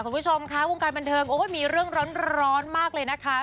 คุณผู้ชมคะวงการบันเทิงโอ้ยมีเรื่องร้อนมากเลยนะคะ